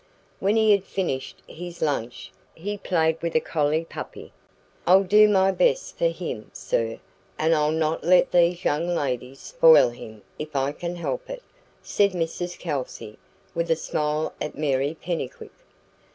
When he had finished his lunch he played with a collie puppy. "I'll do my best for him, sir, and I'll not let these young ladies spoil him if I can help it," said Mrs Kelsey, with a smile at Mary Pennycuick.